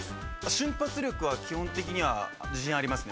瞬発力は基本的には自信ありますね。